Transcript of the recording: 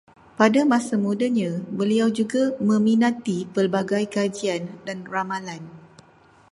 Pada masa mudanya, beliau juga meminati pelbagai kajian dan ramalan